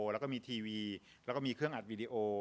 แล้วก็มีทีวีมีเครื่องอัดวิดีโอ